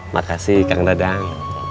makasih kang dadang